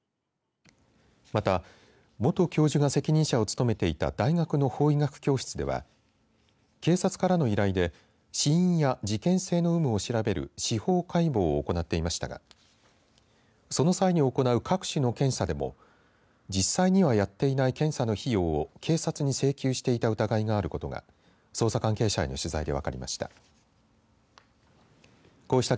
また、元教授が責任者を務めていた大学の法医学教室では警察からの依頼で死因や事件性の有無を調べる司法解剖を行っていましたがその際に行う各種の検査でも実際にはやっていない検査の費用を警察に請求していた疑いがあることが捜査関係者への取材で分かりました。